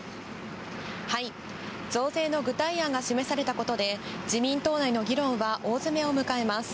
増税の具体案が示されたことで、自民党内の議論は大詰めを迎えます。